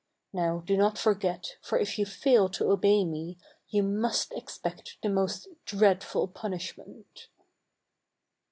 Now, do not forget, for if you fail to obey me, you must expect the most dreadful Dunishment."